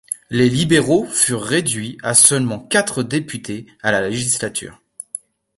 Les libéraux furent réduits à seulement quatre députés à la législature.